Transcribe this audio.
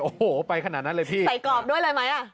โอ้โหไปขนาดนั้นเลยพี่ใส่กรอบด้วยเลยไหมอ่ะ